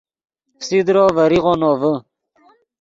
فسیدرو ڤریغو نوڤے